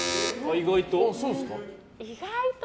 意外と？